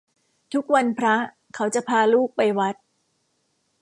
ทุกวันพระเขาจะพาลูกไปวัด